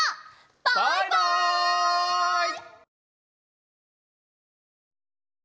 バイバイ！